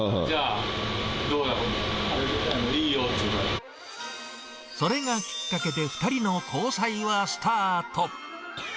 じゃあ、どうだろう、それがきっかけで、２人の交際はスタート。